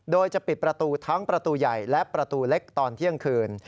โดยจะปิดประตูทั้งประตูใหญ่และประตูเล็กตอนเที่ยงคืน